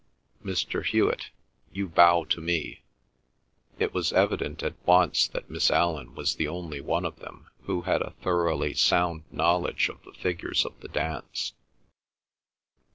"Mr. Hewet, you bow to me." It was evident at once that Miss Allan was the only one of them who had a thoroughly sound knowledge of the figures of the dance.